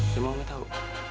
tapi mama tau